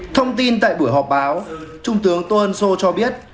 thông tin tại buổi họp báo trung tướng tô ân sô cho biết